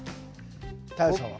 太陽さんは？